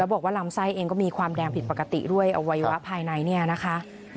บอกว่าลำไส้เองก็มีความแดงผิดปกติด้วยอวัยวะภายในเนี่ยนะคะ